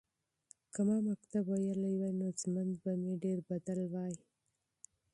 که ما مکتب ویلی وای نو ژوند به مې ډېر بدل وای.